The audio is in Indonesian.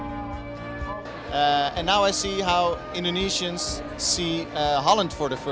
sekarang saya melihat bagaimana orang indonesia melihat holland pertama kali